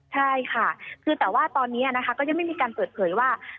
ใช่ค่ะคือแต่ว่าตอนนี้นะคะก็ยังไม่มีการเปิดเผยว่า